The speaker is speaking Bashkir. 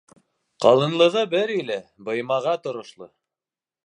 — Ҡалынлығы бер иле, быймаға торошло!